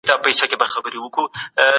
نوي تخنيکونه به په کرنه کي وکارول سي.